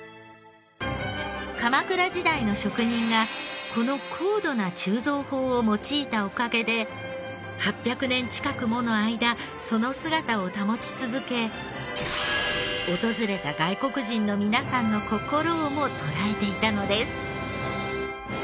鎌倉時代の職人がこの高度な鋳造法を用いたおかげで８００年近くもの間その姿を保ち続け訪れた外国人の皆さんの心をも捉えていたのです。